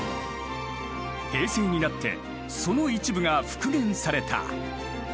平成になってその一部が復元された。